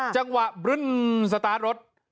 จังหวะสตาร์ทรถ